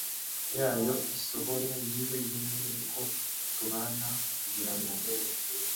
yayo isohore niyo yemeye ko tubana kugirango